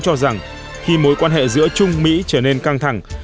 cho rằng khi mối quan hệ giữa trung mỹ trở nên căng thẳng